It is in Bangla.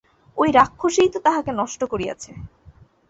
ওই রাক্ষসীই তো তাহাকে নষ্ট করিয়াছে।